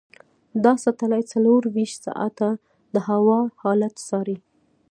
دا سټلایټ څلورویشت ساعته د هوا حالت څاري.